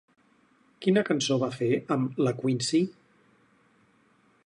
Quina cançó va fer amb La Queency?